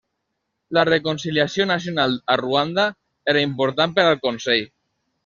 La reconciliació nacional a Ruanda era important per al Consell.